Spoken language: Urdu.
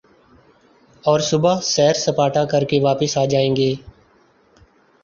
اور صبح سیر سپاٹا کر کے واپس آ جائیں گے ۔